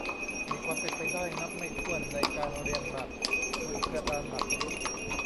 มีความเป็นไปได้นับไม่ถ้วน ในการเรียงหมากบนกระดานหมากรุก